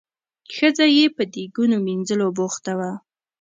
ښځه یې په دیګونو مینځلو بوخته وه.